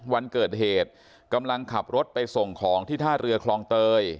วันเกิดเหตุกำลังขับรถไปส่งของที่ท่าเรือคลองเตย